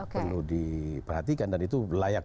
perlu diperhatikan dan itu layak